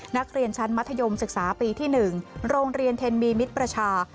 นักเรียนชั้นมัธยมศึกษาปีที่๑โรงเรียนเทนมีมิตรประชา